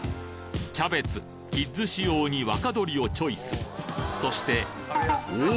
キャベツキッズ仕様に若鶏をチョイスそしておお！